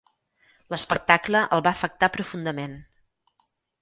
L'espectacle el va afectar profundament.